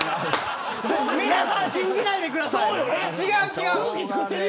皆さん信じないでください。